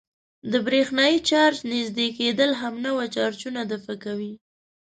د برېښنايي چارج نژدې کېدل همنوع چارجونه دفع کوي.